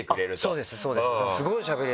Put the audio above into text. そうですそうです！